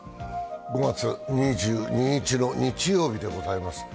５月２２日の日曜日でございます。